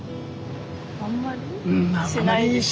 あんまり？